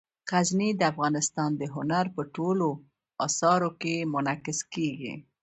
غزني د افغانستان د هنر په ټولو اثارو کې منعکس کېږي.